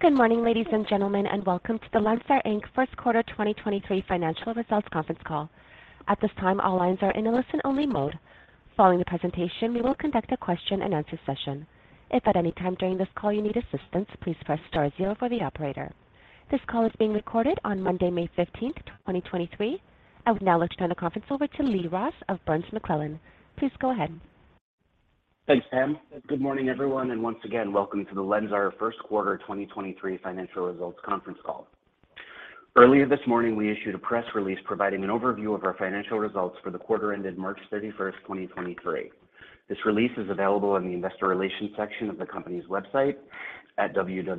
Good morning, ladies and gentlemen, Welcome to the LENSAR, Inc. First Quarter 2023 Financial Results Conference Call. At this time, all lines are in a listen-only mode. Following the presentation, we will conduct a question-and-answer session. If at any time during this call you need assistance, please press star zero for the operator. This call is being recorded on Monday, May 15th, 2023. I would now like to turn the conference over to Lee Roth of Burns McClellan. Please go ahead. Thanks, Pam. Good morning, everyone, and once again, welcome to the LENSAR First Quarter 2023 Financial Results Conference Call. Earlier this morning, we issued a press release providing an overview of our financial results for the quarter-ended March 31st, 2023. This release is available in the Investor Relations section of the company's website at www.lensar.com.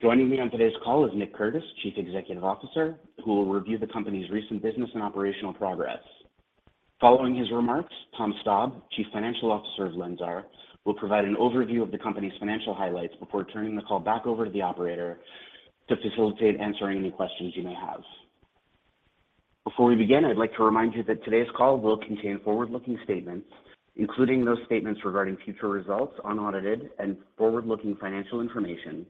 Joining me on today's call is Nick Curtis, Chief Executive Officer, who will review the company's recent business and operational progress. Following his remarks, Tom Staab, Chief Financial Officer of LENSAR, will provide an overview of the company's financial highlights before turning the call back over to the operator to facilitate answering any questions you may have. Before we begin, I'd like to remind you that today's call will contain forward-looking statements, including those statements regarding future results, unaudited and forward-looking financial information,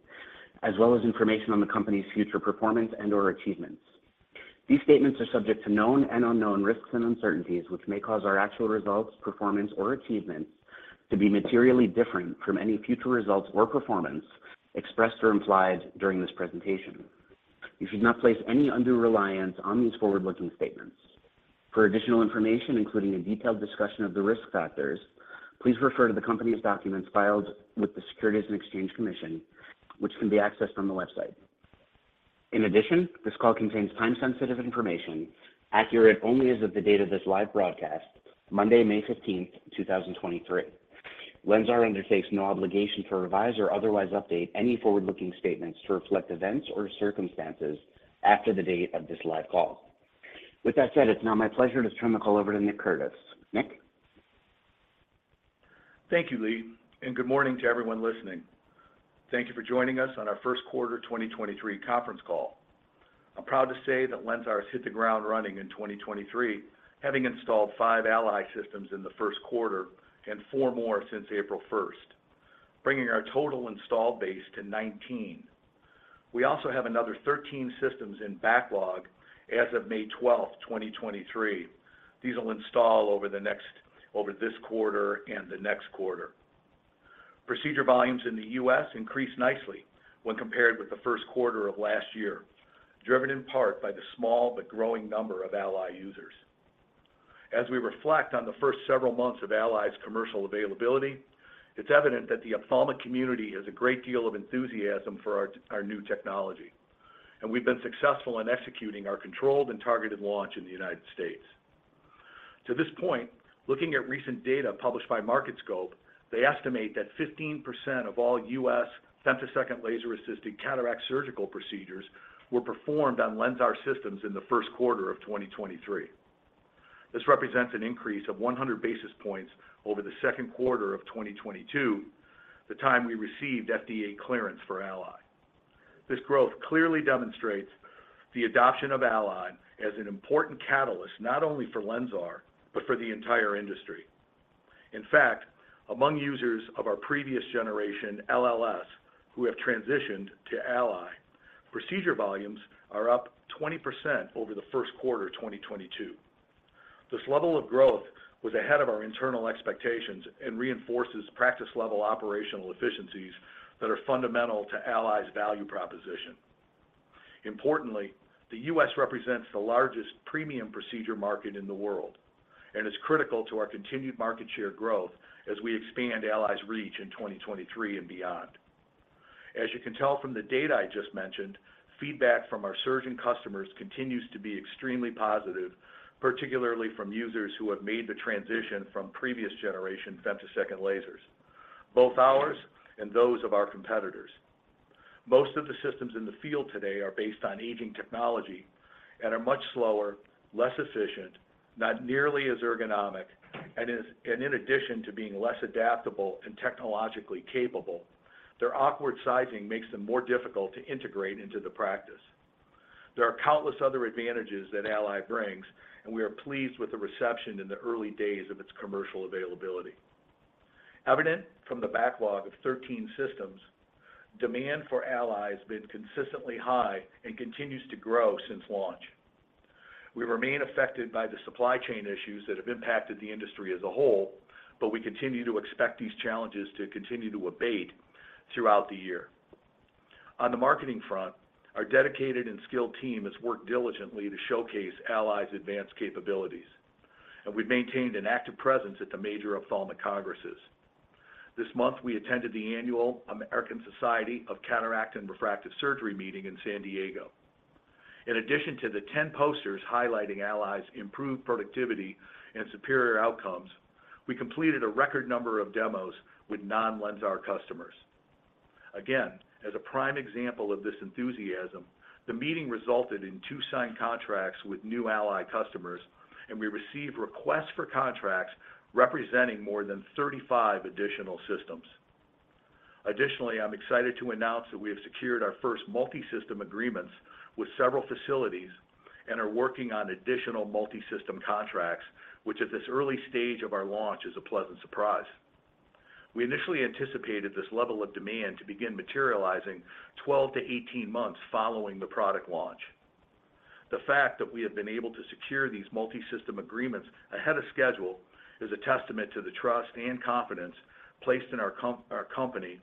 as well as information on the company's future performance and/or achievements. These statements are subject to known and unknown risks and uncertainties, which may cause our actual results, performance, or achievements to be materially different from any future results or performance expressed or implied during this presentation. You should not place any undue reliance on these forward-looking statements. For additional information, including a detailed discussion of the risk factors, please refer to the company's documents filed with the Securities and Exchange Commission, which can be accessed on the website. This call contains time-sensitive information, accurate only as of the date of this live broadcast, Monday, May 15th, 2023. LENSAR undertakes no obligation to revise or otherwise update any forward-looking statements to reflect events or circumstances after the date of this live call. With that said, it's now my pleasure to turn the call over to Nick Curtis. Nick? Thank you, Lee. Good morning to everyone listening. Thank you for joining us on our first quarter 2023 conference call. I'm proud to say that LENSAR has hit the ground running in 2023, having installed five ALLY systems in the first quarter and four more since April 1st, bringing our total install base to 19. We also have another 13 systems in backlog as of May 12th, 2023. These will install over this quarter and the next quarter. Procedure volumes in the U.S. increased nicely when compared with the first quarter of last year, driven in part by the small but growing number of ALLY users. As we reflect on the 1st several months of ALLY's commercial availability, it's evident that the ophthalmic community has a great deal of enthusiasm for our new technology. We've been successful in executing our controlled and targeted launch in the United States. To this point, looking at recent data published by Market Scope, they estimate that 15% of all U.S. femtosecond laser-assisted cataract surgical procedures were performed on LENSAR systems in the first quarter of 2023. This represents an increase of 100 basis points over the second quarter of 2022, the time we received FDA clearance for ALLY. This growth clearly demonstrates the adoption of ALLY as an important catalyst not only for LENSAR but for the entire industry. In fact, among users of our previous generation, LLS, who have transitioned to ALLY, procedure volumes are up 20% over the first quarter, 2022. This level of growth was ahead of our internal expectations and reinforces practice-level operational efficiencies that are fundamental to ALLY's value proposition. Importantly, the U.S. represents the largest premium procedure market in the world and is critical to our continued market share growth as we expand ALLY's reach in 2023 and beyond. As you can tell from the data I just mentioned, feedback from our surgeon customers continues to be extremely positive, particularly from users who have made the transition from previous generation femtosecond lasers, both ours and those of our competitors. Most of the systems in the field today are based on aging technology and are much slower, less efficient, not nearly as ergonomic, and in addition to being less adaptable and technologically capable, their awkward sizing makes them more difficult to integrate into the practice. There are countless other advantages that ALLY brings. We are pleased with the reception in the early days of its commercial availability. Evident from the backlog of 13 systems, demand for ALLY has been consistently high and continues to grow since launch. We remain affected by the supply chain issues that have impacted the industry as a whole. We continue to expect these challenges to continue to abate throughout the year. On the marketing front, our dedicated and skilled team has worked diligently to showcase ALLY's advanced capabilities. We've maintained an active presence at the major ophthalmic congresses. This month, we attended the annual American Society of Cataract and Refractive Surgery meeting in San Diego. In addition to the 10 posters highlighting ALLY's improved productivity and superior outcomes, we completed a record number of demos with non-LENSAR customers. As a prime example of this enthusiasm, the meeting resulted in two signed contracts with new ALLY customers. We received requests for contracts representing more than 35 additional systems. I'm excited to announce that we have secured our first multi-system agreements with several facilities and are working on additional multi-system contracts, which at this early stage of our launch is a pleasant surprise. We initially anticipated this level of demand to begin materializing 12 months-18 months following the product launch. The fact that we have been able to secure these multi-system agreements ahead of schedule is a testament to the trust and confidence placed in our company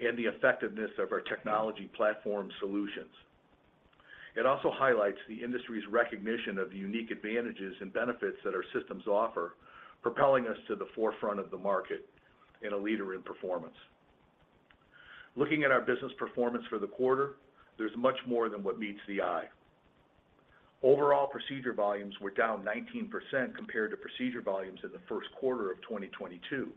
and the effectiveness of our technology platform solutions. It also highlights the industry's recognition of the unique advantages and benefits that our systems offer, propelling us to the forefront of the market and a leader in performance. Looking at our business performance for the quarter, there's much more than what meets the eye. Overall procedure volumes were down 19% compared to procedure volumes in the first quarter of 2022.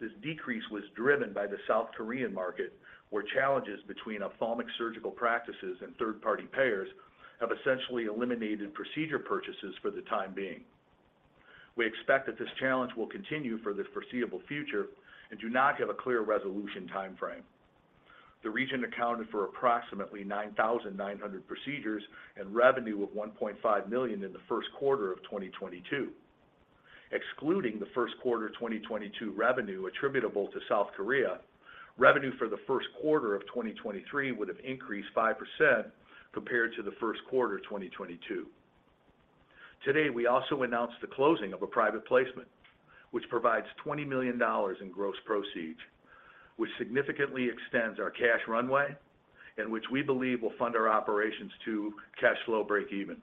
This decrease was driven by the South Korean market, where challenges between ophthalmic surgical practices and third-party payers have essentially eliminated procedure purchases for the time being. We expect that this challenge will continue for the foreseeable future and do not have a clear resolution timeframe. The region accounted for approximately 9,900 procedures and revenue of $1.5 million in the first quarter of 2022. Excluding the first quarter of 2022 revenue attributable to South Korea, revenue for the first quarter of 2023 would have increased 5% compared to the first quarter of 2022. Today, we also announced the closing of a private placement, which provides $20 million in gross proceeds, which significantly extends our cash runway and which we believe will fund our operations to cash flow breakeven.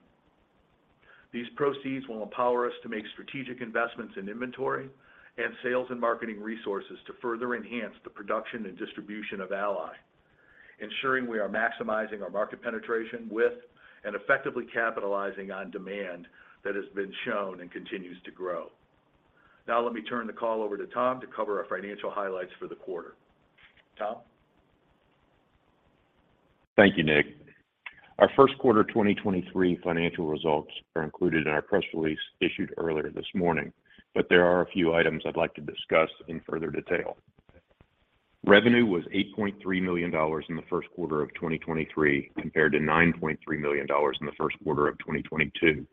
These proceeds will empower us to make strategic investments in inventory and sales and marketing resources to further enhance the production and distribution of ALLY, ensuring we are maximizing our market penetration with and effectively capitalizing on demand that has been shown and continues to grow. Let me turn the call over to Tom to cover our financial highlights for the quarter. Tom? Thank you, Nick. Our first quarter 2023 financial results are included in our press release issued earlier this morning, there are a few items I'd like to discuss in further detail. Revenue was $8.3 million in the first quarter of 2023, compared to $9.3 million in the first quarter of 2022.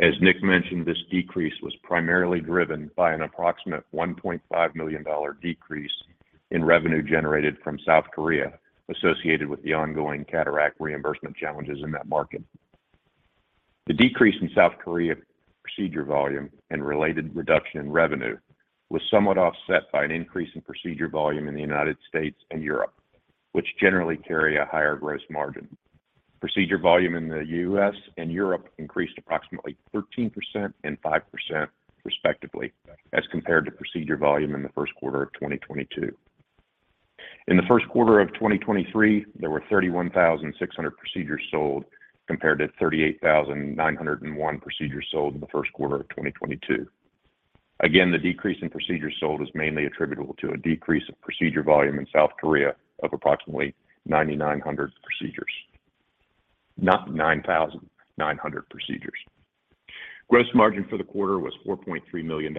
As Nick mentioned, this decrease was primarily driven by an approximate $1.5 million decrease in revenue generated from South Korea associated with the ongoing cataract reimbursement challenges in that market. The decrease in South Korea procedure volume and related reduction in revenue was somewhat offset by an increase in procedure volume in the United States and Europe, which generally carry a higher gross margin. Procedure volume in the U.S. and Europe increased approximately 13% and 5% respectively as compared to procedure volume in the first quarter of 2022. In the first quarter of 2023, there were 31,600 procedures sold, compared to 38,901 procedures sold in the first quarter of 2022. The decrease in procedures sold is mainly attributable to a decrease of procedure volume in South Korea of approximately 9,900 procedures. Gross margin for the quarter was $4.3 million,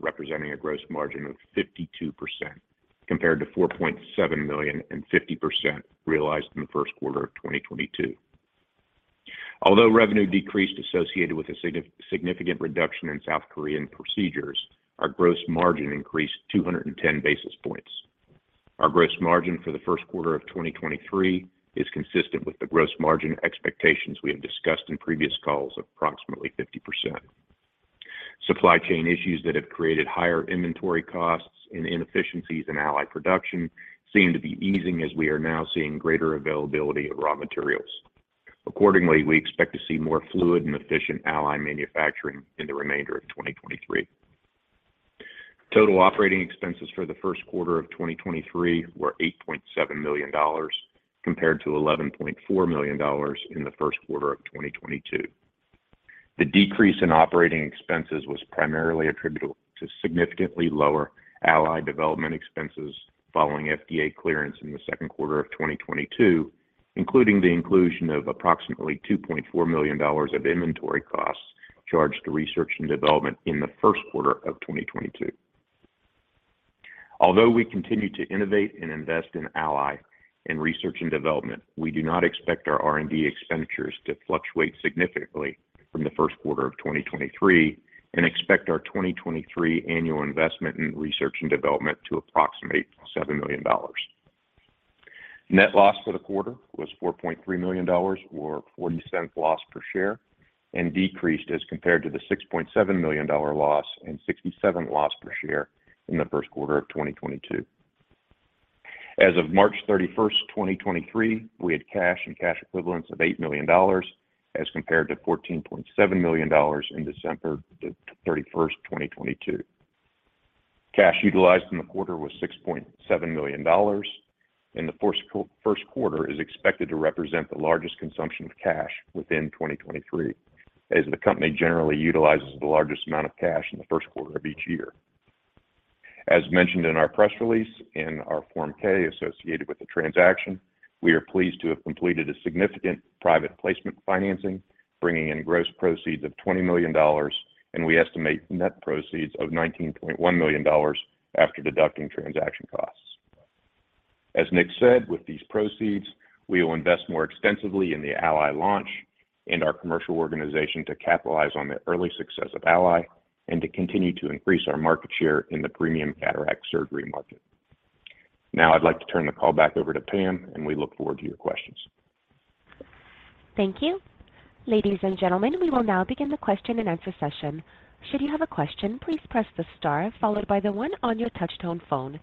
representing a gross margin of 52%, compared to $4.7 million and 50% realized in the first quarter of 2022. Revenue decreased associated with a significant reduction in South Korean procedures, our gross margin increased 210 basis points. Our gross margin for the first quarter of 2023 is consistent with the gross margin expectations we have discussed in previous calls of approximately 50%. Supply chain issues that have created higher inventory costs and inefficiencies in ALLY production seem to be easing as we are now seeing greater availability of raw materials. Accordingly, we expect to see more fluid and efficient ALLY manufacturing in the remainder of 2023. Total operating expenses for the first quarter of 2023 were $8.7 million, compared to $11.4 million in the first quarter of 2022. The decrease in operating expenses was primarily attributable to significantly lower ALLY development expenses following FDA clearance in the second quarter of 2022, including the inclusion of approximately $2.4 million of inventory costs charged to research and development in the first quarter of 2022. Although we continue to innovate and invest in ALLY in research and development, we do not expect our R&D expenditures to fluctuate significantly from the first quarter of 2023 and expect our 2023 annual investment in research and development to approximate $7 million. Net loss for the quarter was $4.3 million or $0.40 loss per share and decreased as compared to the $6.7 million loss and $0.67 loss per share in the first quarter of 2022. As of March 31st, 2023, we had cash and cash equivalents of $8 million as compared to $14.7 million in December 31st, 2022. Cash utilized in the quarter was $6.7 million. The first quarter is expected to represent the largest consumption of cash within 2023, as the company generally utilizes the largest amount of cash in the first quarter of each year. As mentioned in our press release and our Form 10-K associated with the transaction, we are pleased to have completed a significant private placement financing, bringing in gross proceeds of $20 million. We estimate net proceeds of $19.1 million after deducting transaction costs. As Nick said, with these proceeds, we will invest more extensively in the ALLY launch and our commercial organization to capitalize on the early success of ALLY and to continue to increase our market share in the premium cataract surgery market. I'd like to turn the call back over to Pam, and we look forward to your questions. Thank you. Ladies and gentlemen, we will now begin the question-and-answer session. Should you have a question, please press the star followed by the 1 on your touch-tone phone.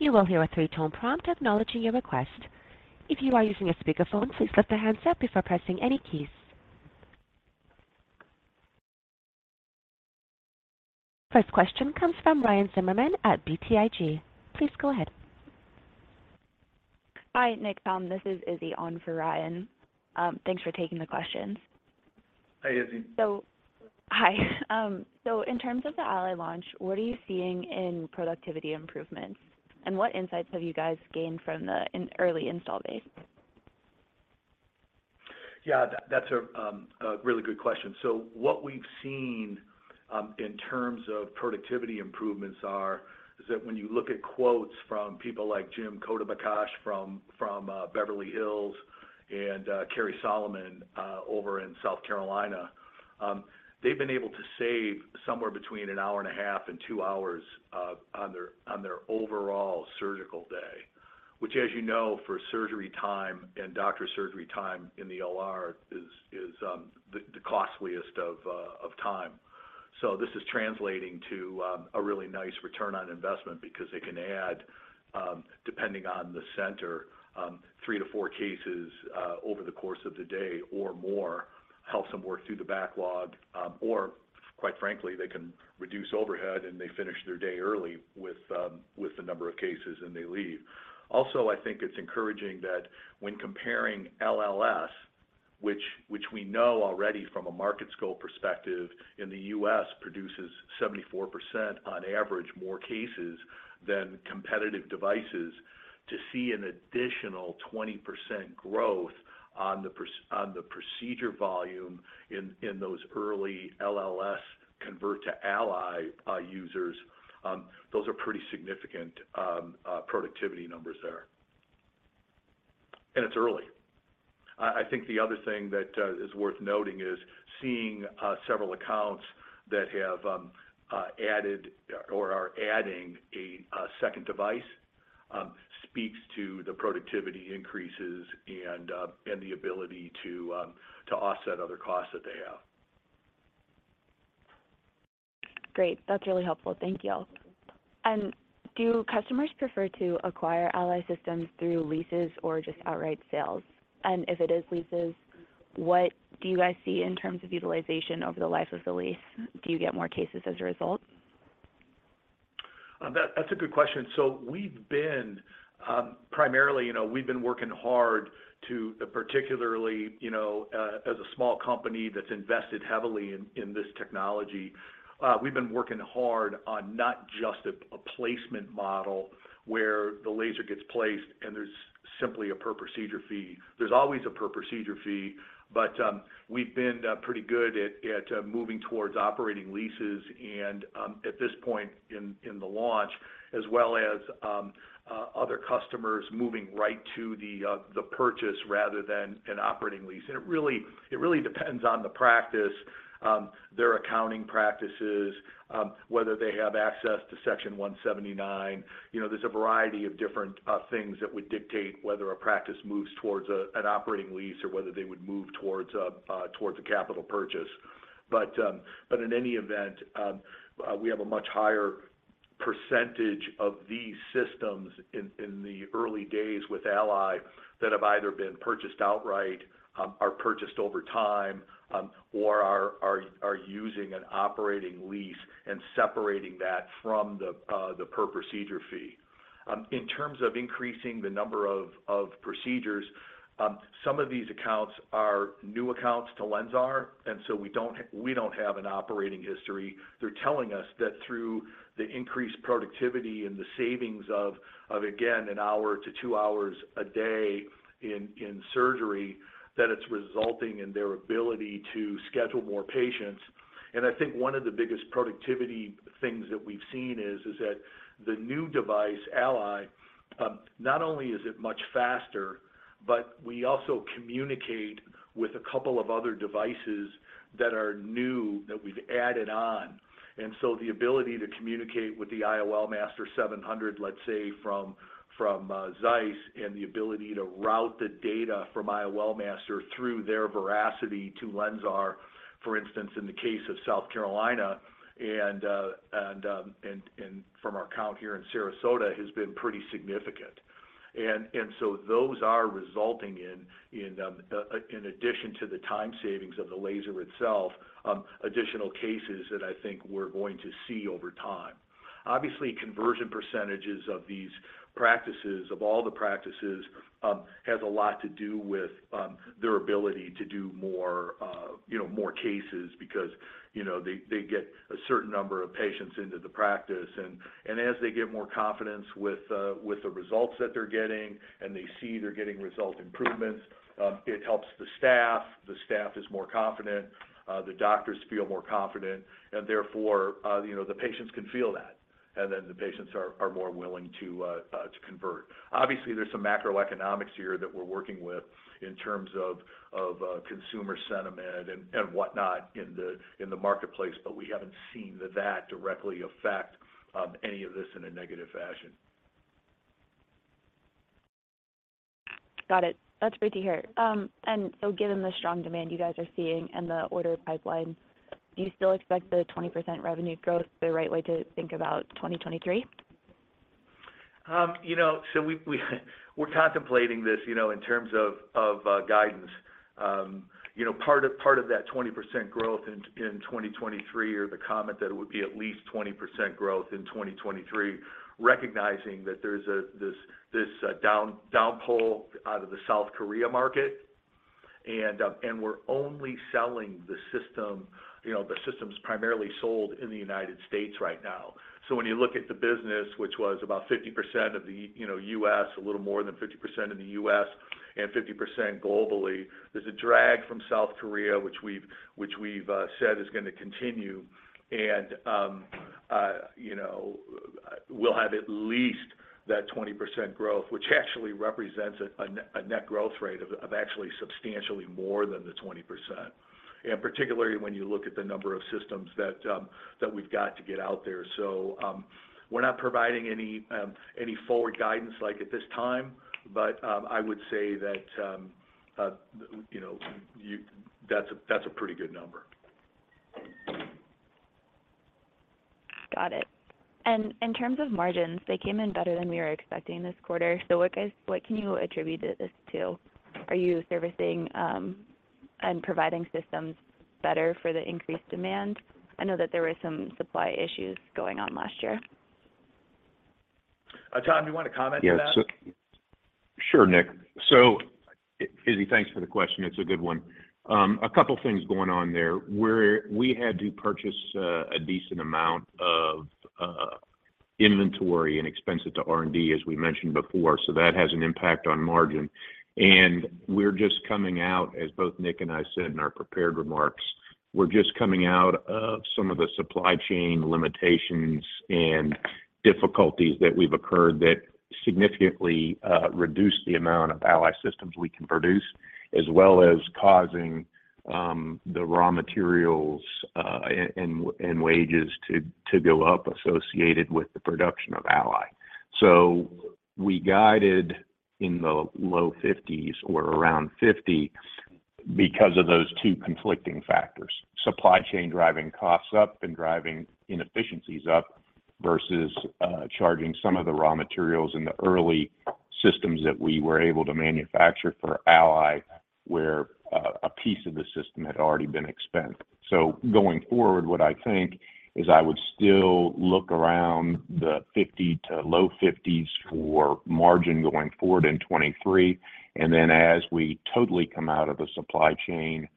You will hear a 3-tone prompt acknowledging your request. If you are using a speakerphone, please lift the handset before pressing any keys. First question comes from Ryan Zimmerman at BTIG. Please go ahead. Hi, Nick, Tom. This is Izzy on for Ryan. Thanks for taking the questions. Hi, Izzy. Hi. In terms of the ALLY launch, what are you seeing in productivity improvements, and what insights have you guys gained from the early install base? That's a really good question. What we've seen in terms of productivity improvements are that when you look at quotes from people like Jim Khodabakhsh from Beverly Hills and Kerry Solomon over in South Carolina, they've been able to save somewhere between an hour and a half and two hours on their overall surgical day, which as you know, for surgery time and doctor surgery time in the OR is the costliest of time. This is translating to a really nice return on investment because they can add, depending on the center, three to four cases over the course of the day or more, helps them work through the backlog, or quite frankly, they can reduce overhead, and they finish their day early with the number of cases, and they leave. I think it's encouraging that when comparing LLS, which we know already from a Market Scope perspective in the U.S. produces 74% on average more cases than competitive devices to see an additional 20% growth on the procedure volume in those early LLS convert to ALLY users, those are pretty significant productivity numbers there. It's early. I think the other thing that is worth noting is seeing several accounts that have added or are adding a second device speaks to the productivity increases and the ability to offset other costs that they have. Great. That's really helpful. Thank you. Do customers prefer to acquire ALLY systems through leases or just outright sales? If it is leases, what do you guys see in terms of utilization over the life of the lease? Do you get more cases as a result? That's a good question. We've been primarily, you know, we've been working hard to particularly, you know, as a small company that's invested heavily in this technology, we've been working hard on not just a placement model where the laser gets placed and there's simply a per procedure fee. There's always a per procedure fee, but we've been pretty good at moving towards operating leases and at this point in the launch, as well as other customers moving right to the purchase rather than an operating lease. It really depends on the practice, their accounting practices, whether they have access to Section 179. You know, there's a variety of different things that would dictate whether a practice moves towards an operating lease or whether they would move towards a capital purchase. But in any event, we have a much higher percentage of these systems in the early days with ALLY that have either been purchased outright, are purchased over time, or are using an operating lease and separating that from the per procedure fee. In terms of increasing the number of procedures, some of these accounts are new accounts to LENSAR, and so we don't have an operating history. They're telling us that through the increased productivity and the savings of again, an hour to 2 hours a day in surgery, that it's resulting in their ability to schedule more patients. I think one of the biggest productivity things that we've seen is that the new device, ALLY, not only is it much faster, but we also communicate with a couple of other devices that are new that we've added on. The ability to communicate with the IOLMaster 700, let's say, from ZEISS and the ability to route the data from IOLMaster through their VERACITY to LENSAR, for instance, in the case of South Carolina and from our account here in Sarasota, has been pretty significant. Those are resulting in addition to the time savings of the laser itself, additional cases that I think we're going to see over time. Obviously, conversion percentages of these practices, of all the practices, has a lot to do with their ability to do more, you know, more cases because, you know, they get a certain number of patients into the practice and, as they get more confidence with the results that they're getting and they see they're getting result improvements, it helps the staff. The staff is more confident. The doctors feel more confident, and therefore, you know, the patients can feel that. The patients are more willing to convert. Obviously, there's some macroeconomics here that we're working with in terms of consumer sentiment and whatnot in the marketplace. We haven't seen that directly affect any of this in a negative fashion. Got it. That's great to hear. Given the strong demand you guys are seeing and the order pipeline, do you still expect the 20% revenue growth the right way to think about 2023? You know, we're contemplating this, you know, in terms of guidance. You know, part of that 20% growth in 2023, or the comment that it would be at least 20% growth in 2023, recognizing that there's this down-pull out of the South Korea market. We're only selling the system, you know, the system's primarily sold in the United States right now. When you look at the business, which was about 50% of the, you know, US, a little more than 50% in the US, and 50% globally, there's a drag from South Korea, which we've said is gonna continue. You know, we'll have at least that 20% growth, which actually represents a net growth rate of actually substantially more than the 20%. Particularly when you look at the number of systems that we've got to get out there. We're not providing any forward guidance, like, at this time, but I would say that, you know, that's a, that's a pretty good number. Got it. In terms of margins, they came in better than we were expecting this quarter. What can you attribute this to? Are you servicing and providing systems better for the increased demand? I know that there were some supply issues going on last year. Tom, do you wanna comment to that? Sure, Nick. Izzy, thanks for the question. It's a good one. A couple things going on there. We had to purchase a decent amount of inventory and expense it to R&D, as we mentioned before, that has an impact on margin. We're just coming out, as both Nick and I said in our prepared remarks, we're just coming out of some of the supply chain limitations and difficulties that we've occurred that significantly reduced the amount of ALLY systems we can produce, as well as causing the raw materials and wages to go up associated with the production of ALLY. We guided in the low 50s or around 50 because of those two conflicting factors, supply chain driving costs up and driving inefficiencies up versus charging some of the raw materials in the early systems that we were able to manufacture for ALLY, where a piece of the system had already been expensed. Going forward, what I think is I would still look around the 50 to low 50s for margin going forward in 2023. As we totally come out of the supply chain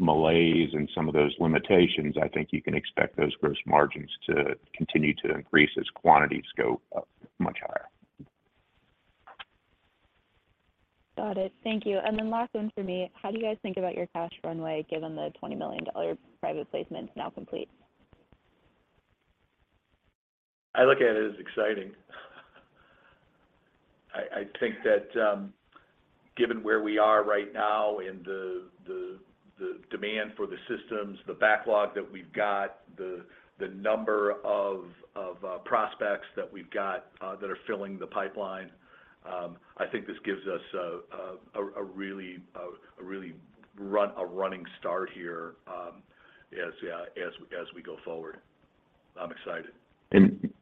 malaise and some of those limitations, I think you can expect those gross margins to continue to increase as quantities go up much higher. Got it. Thank you. Last one for me. How do you guys think about your cash runway given the $20 million private placement now complete? I look at it as exciting. I think that given where we are right now and the demand for the systems, the backlog that we've got, the number of prospects that we've got that are filling the pipeline, I think this gives us a running start here, as we go forward. I'm excited.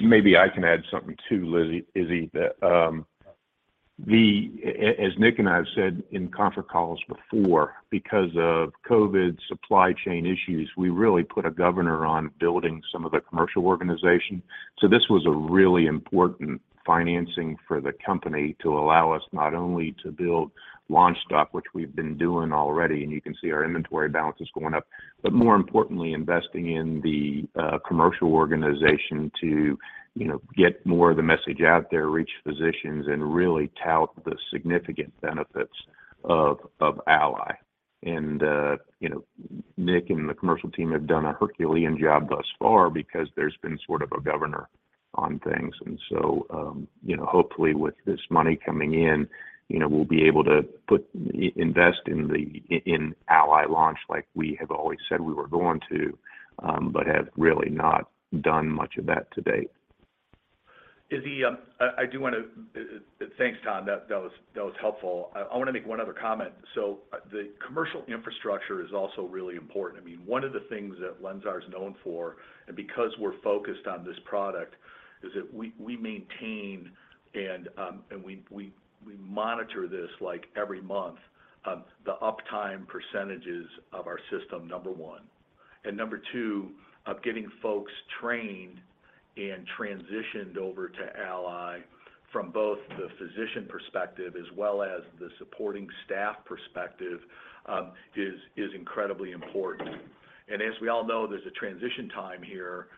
Maybe I can add something too, Izzy, that as Nick and I have said in conference calls before, because of COVID supply chain issues, we really put a governor on building some of the commercial organization. This was a really important financing for the company to allow us not only to build launch stock, which we've been doing already, and you can see our inventory balance is going up. More importantly, investing in the commercial organization to, you know, get more of the message out there, reach physicians, and really tout the significant benefits of ALLY. You know, Nick and the commercial team have done a Herculean job thus far because there's been sort of a governor on things. You know, hopefully with this money coming in, you know, we'll be able to invest in the ALLY launch like we have always said we were going to, but have really not done much of that to date. Izzy, I do wanna. Thanks, Tom. That was helpful. I wanna make one other comment. The commercial infrastructure is also really important. I mean, one of the things that LENSAR is known for, and because we're focused on this product, is that we maintain and we monitor this, like, every month, the uptime percentages of our system, number one. Number two, of getting folks trained and transitioned over to ALLY from both the physician perspective as well as the supporting staff perspective, is incredibly important. As we all know, there's a transition time here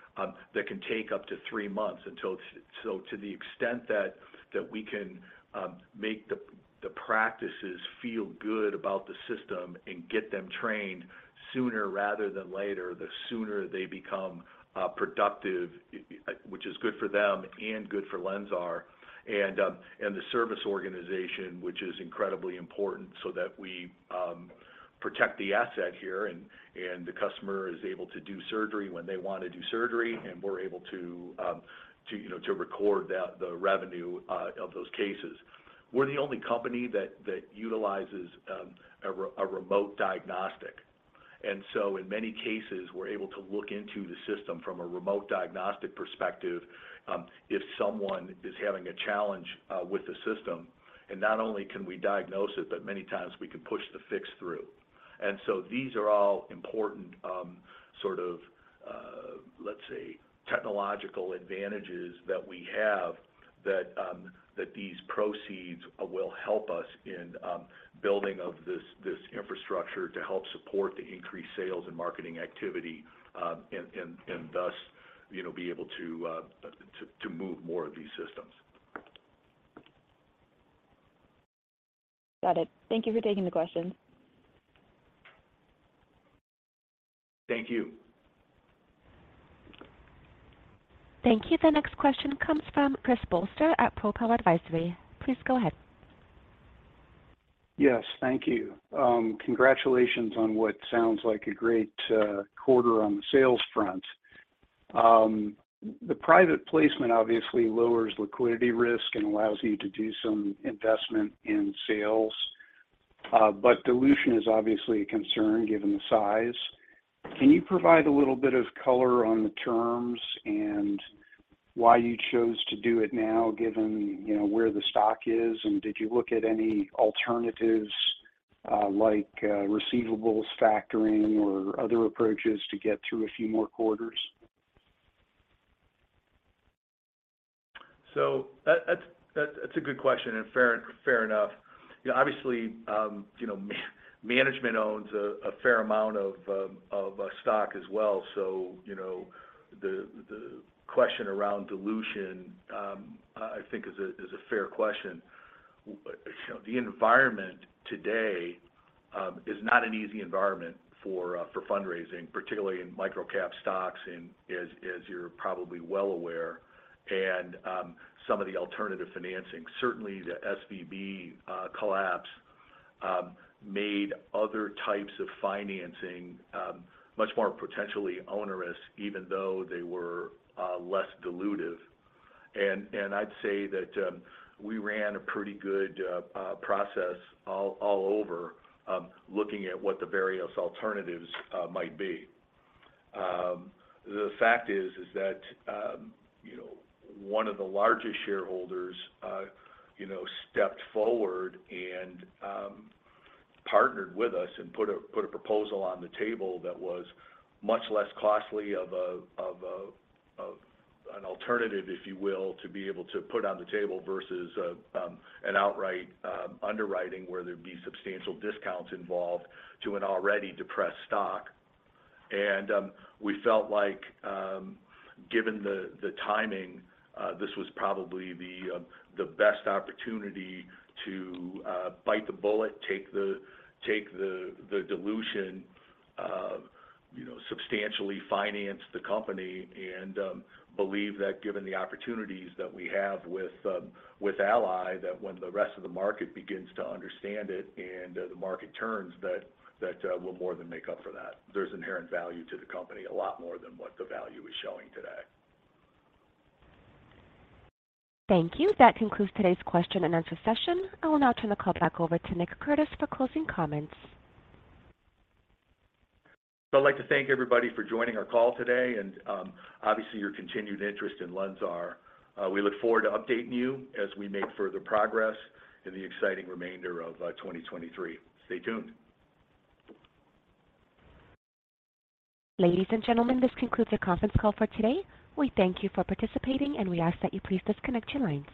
that can take up to three months until it's... To the extent that we can make the practices feel good about the system and get them trained sooner rather than later, the sooner they become productive, which is good for them and good for LENSAR and the service organization, which is incredibly important so that we protect the asset here and the customer is able to do surgery when they want to do surgery, and we're able to, you know, to record the revenue of those cases. We're the only company that utilizes a remote diagnostics. In many cases, we're able to look into the system from a remote diagnostics perspective, if someone is having a challenge with the system, and not only can we diagnose it, but many times we can push the fix through. These are all important, sort of, let's say, technological advantages that we have that these proceeds will help us in building of this infrastructure to help support the increased sales and marketing activity, and thus, you know, be able to move more of these systems. Got it. Thank you for taking the question. Thank you. Thank you. The next question comes from Chris Bolster at Propel Advisory. Please go ahead. Yes, thank you. Congratulations on what sounds like a great quarter on the sales front. The private placement obviously lowers liquidity risk and allows you to do some investment in sales. Dilution is obviously a concern given the size. Can you provide a little bit of color on the terms and why you chose to do it now, given you know, where the stock is, and did you look at any alternatives, like receivables factoring or other approaches to get through a few more quarters? That's a good question and fair enough. You know, obviously, you know, management owns a fair amount of stock as well. You know, the question around dilution, I think is a fair question. You know, the environment today is not an easy environment for fundraising, particularly in microcap stocks and as you're probably well aware, and some of the alternative financing. Certainly the SVB collapse made other types of financing much more potentially onerous, even though they were less dilutive. I'd say that we ran a pretty good process all over looking at what the various alternatives might be. The fact is that, you know, one of the largest shareholders, you know, stepped forward and partnered with us and put a proposal on the table that was much less costly of an alternative, if you will, to be able to put on the table versus an outright underwriting, where there'd be substantial discounts involved to an already depressed stock. We felt like, given the timing, this was probably the best opportunity to bite the bullet, take the dilution, you know, substantially finance the company and believe that given the opportunities that we have with ALLY, that when the rest of the market begins to understand it and the market turns that, we'll more than make up for that. There's inherent value to the company, a lot more than what the value is showing today. Thank you. That concludes today's question and answer session. I will now turn the call back over to Nick Curtis for closing comments. I'd like to thank everybody for joining our call today and, obviously your continued interest in LENSAR. We look forward to updating you as we make further progress in the exciting remainder of 2023. Stay tuned. Ladies and gentlemen, this concludes your conference call for today. We thank you for participating, and we ask that you please disconnect your lines.